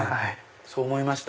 そう思いました。